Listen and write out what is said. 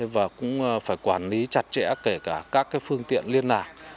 và cũng phải quản lý chặt chẽ kể cả các phương tiện liên lạc